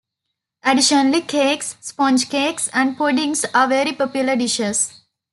Additionally, cakes, sponge cakes, and puddings are very popular dishes.